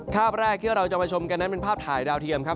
ภาพแรกที่เราจะมาชมกันนั้นเป็นภาพถ่ายดาวเทียมครับ